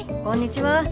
こんにちは。